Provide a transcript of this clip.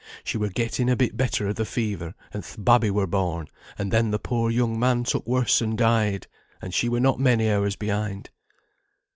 'She were getting a bit better o' the fever, and th' babby were born; and then the poor young man took worse and died, and she were not many hours behind.'